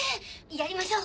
やりましょう！